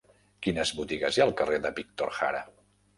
Quines botigues hi ha al carrer de Víctor Jara?